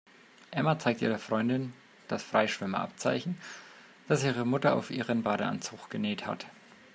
Emma zeigt ihrer Freundin das Freischwimmer-Abzeichen, das ihre Mutter auf ihren Badeanzug genäht hat.